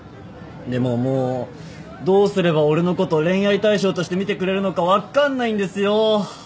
でももうどうすれば俺のこと恋愛対象として見てくれるのか分っかんないんですよ！